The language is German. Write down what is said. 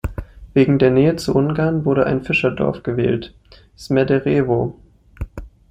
Wegen der Nähe zu Ungarn wurde ein Fischerdorf gewählt, Smederevo.